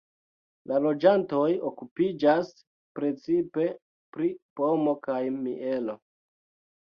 La loĝantoj okupiĝas precipe pri pomo kaj mielo.